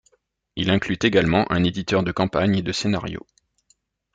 Il inclut également un éditeur de campagne et de scénarios.